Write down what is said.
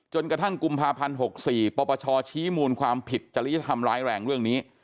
กระทั่งกุมภาพันธ์๖๔ปปชชี้มูลความผิดจริยธรรมร้ายแรงเรื่องนี้